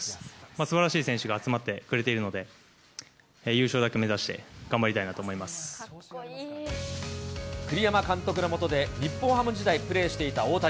すばらしい選手が集まってくれているので、優勝だけ目指して、栗山監督の下で、日本ハム時代、プレーしていた大谷。